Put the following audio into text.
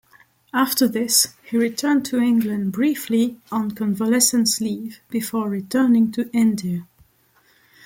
After this he returned to England briefly on convalescence leave before returning to India.